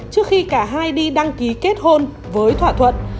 trước khi cả hai đi đăng ký kết hôn với thỏa thuận